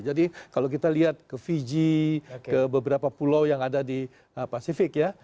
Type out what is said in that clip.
jadi kalau kita lihat ke fiji ke beberapa pulau yang ada di pasifik ya